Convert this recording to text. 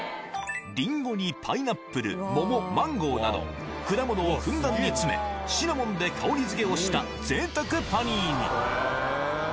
リンゴにパイナップル、桃、マンゴーなど、果物をふんだんに詰め、シナモンで香りづけをしたぜいたくパニーニ。